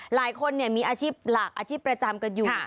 หลายคนมีอาชีพหลักอาชีพประจำกันอยู่